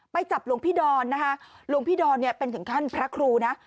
ไปจับหลวงพี่ดอนนะคะหลวงพี่ดอนเนี่ยเป็นถึงขั้นพระครูนะ